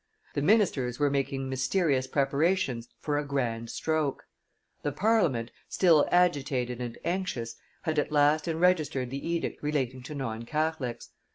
The ministers were making mysterious preparations for a grand stroke. The Parliament, still agitated and anxious, had at last enregistered the edict relating to non Catholics.